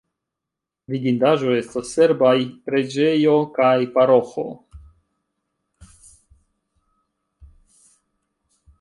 Vidindaĵoj estas serbaj preĝejo kaj paroĥo.